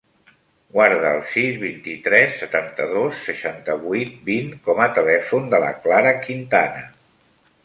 Guarda el sis, vint-i-tres, setanta-dos, seixanta-vuit, vint com a telèfon de la Clara Quintana.